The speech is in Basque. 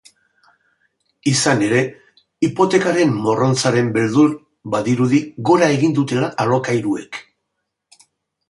Izan ere, hipotekaren morrontzaren beldur, badirudi gora egin dutela alokairuek.